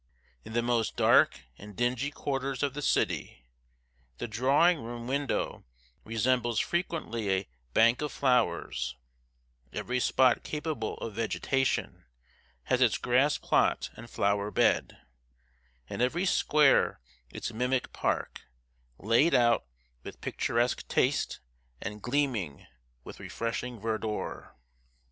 In the most dark and dingy quarters of the city, the drawing room window resembles frequently a bank of flowers; every spot capable of vegetation has its grass plot and flower bed; and every square its mimic park, laid out with picturesque taste, and gleaming with refreshing verdure.